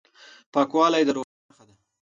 پاکوالی د روغتیا نښه ده.